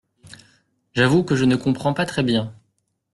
J’avoue que je ne comprends pas très bien.